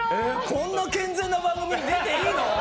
こんな健全な番組出ていいの？